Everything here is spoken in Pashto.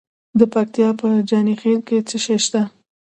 د پکتیا په جاني خیل کې څه شی شته؟